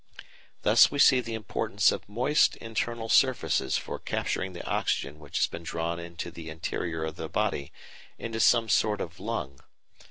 Thus we see the importance of moist internal surfaces for capturing the oxygen which has been drawn into the interior of the body into some sort of lung.